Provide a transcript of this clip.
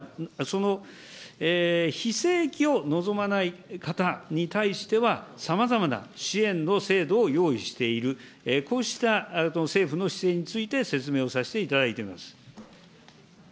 それを望まない方、その非正規を望まない方に対しては、さまざまな支援の制度を用意している、こうした政府の姿勢について、説明をさせていただいています。